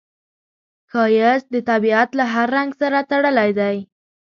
ښایست د طبیعت له هر رنګ سره تړلی دی